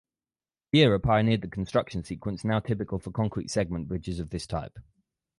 Viera pioneered the construction sequence now typical for concrete segment bridges of this type.